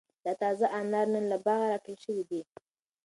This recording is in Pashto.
دا تازه انار نن له باغه را ټول شوي دي.